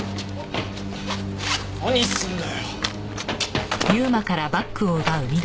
何すんだよ。